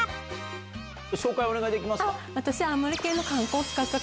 紹介お願いできますか。